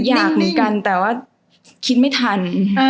อยากเหมือนกันแต่ว่าคิดไม่ทัน